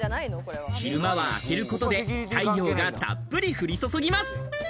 昼間は開けることで太陽がたっぷり降り注ぎます。